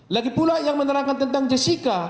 lagi pula yang menerangkan tentang jessica